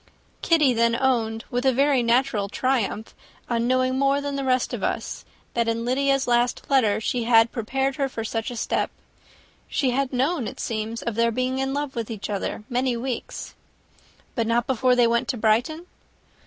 Kitty then owned, with a very natural triumph on knowing more than the rest of us, that in Lydia's last letter she had prepared her for such a step. She had known, it seems, of their being in love with each other many weeks." "But not before they went to Brighton?"